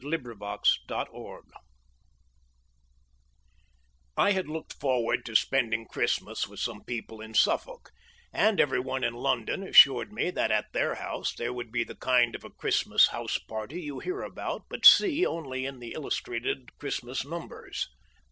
THE CARD SHARP I had looked forward to spending Christmas with some people in Suffolk, and every one in London assured me that at their house there would be the kind of a Christmas house party you hear about but see only in the illustrated Christmas numbers.